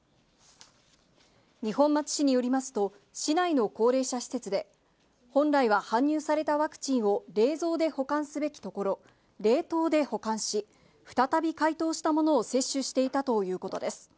二本松市によりますと、市内の高齢者施設で、本来は搬入されたワクチンを冷蔵で保管すべきところ、冷凍で保管し、再び解凍したものを接種していたということです。